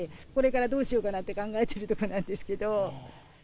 これからどうしようかなって考えているところなんですけど。